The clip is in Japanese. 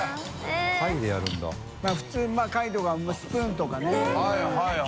當まぁ貝とかスプーンとかね。